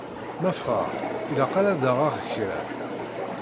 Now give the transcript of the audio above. Ma ffɣeɣ ilaq kan ad d-aɣeɣ kra.